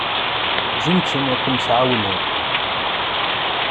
Ǧǧemt-ten akent-ɛawnen.